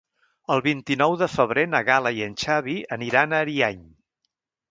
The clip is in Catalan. El vint-i-nou de febrer na Gal·la i en Xavi aniran a Ariany.